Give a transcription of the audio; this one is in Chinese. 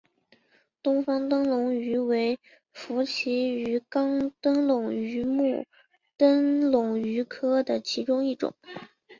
东方灯笼鱼为辐鳍鱼纲灯笼鱼目灯笼鱼科的其中一种。